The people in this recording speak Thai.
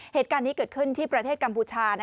เหตุการณ์นี้เกิดขึ้นที่ประเทศกัมพูชา